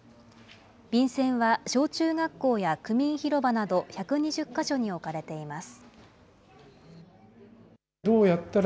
便せんは小中学校や区民ひろばなど１２０か所に置かれています。